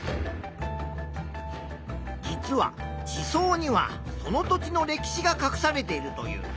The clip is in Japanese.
実は地層にはその土地の歴史がかくされているという。